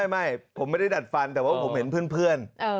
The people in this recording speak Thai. ไม่ผมไม่ได้ดัดฟันแต่ว่าผมเห็นเพื่อน